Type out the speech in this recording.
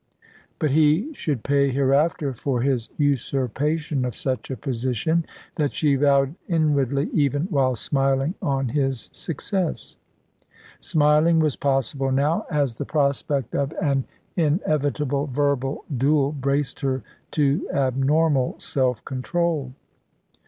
But he should pay hereafter for his usurpation of such a position: that she vowed inwardly, even while smiling on his success. Smiling was possible now, as the prospect of an inevitable verbal duel braced her to abnormal self control.